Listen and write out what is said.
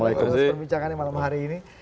banyak yang harus kita bincangkan ini malam hari ini